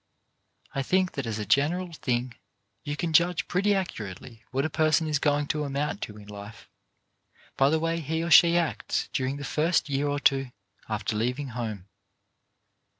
I think that as a general thing you can judge pretty accurately what a person is going to amount to in life by the way he or she acts during the first year or two after leaving home.